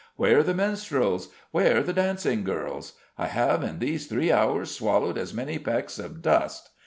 Where the minstrels? Where the dancing girls? I have in these three hours swallowed as many pecks of dust.